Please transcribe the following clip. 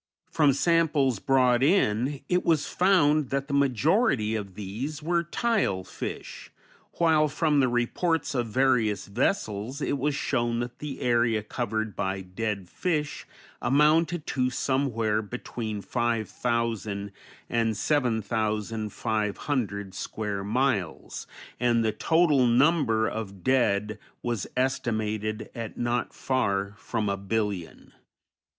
From samples brought in, it was found that the majority of these were tile fish, while from the reports of various vessels it was shown that the area covered by dead fish amounted to somewhere between 5,000 and 7,500 square miles, and the total number of dead was estimated at not far from a billion.